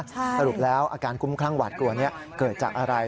สรุปแล้วอาการคุ้มคลั่งหวาดกลัวนี้เกิดจากอะไร